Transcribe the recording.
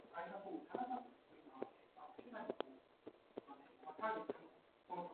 Bill Goodykoontz of "The Arizona Republic" awarded the film two stars.